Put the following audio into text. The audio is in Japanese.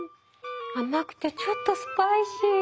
甘くてちょっとスパイシー。